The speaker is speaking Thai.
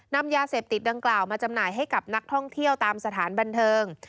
นำยาเสพติดดังกล่าวมาจำหน่ายให้กับนักท่องเที่ยวตามสถานบันเทิง